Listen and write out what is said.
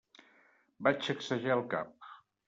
Vaig sacsejar el cap.